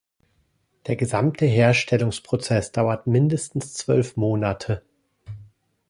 Der gesamte Herstellungsprozess dauert mindestens zwölf Monate.